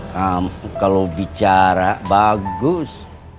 kamu kalau bicara bagus